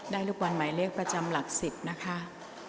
ได้ลูกบอนหมายเลขประจำหลักสิบนะคะ